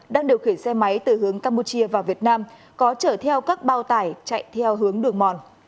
đang điều khiển xe máy từ hướng campuchia vào việt nam có chở theo các bao tải chạy theo hướng đường mòn